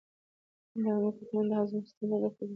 • د انګورو تخمونه د هاضمې سیستم ته ګټه لري.